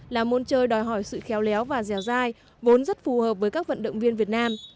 là môn chơi đòi hỏi sự khéo léo và dẻo dai vốn rất phù hợp với các vận động viên việt nam